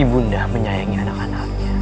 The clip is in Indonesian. ibunda menyayangi anak anaknya